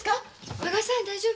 満賀さん大丈夫？